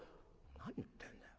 「何言ってんだよ？